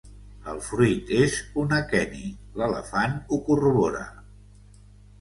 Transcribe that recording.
El fruit és un aqueni. L'elefant ho corrobora.